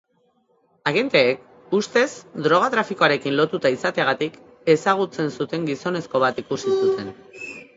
Agenteek ustez droga-trafikoarekin lotura izateagatik ezagutzen zuten gizonezko bat ikusi zuten.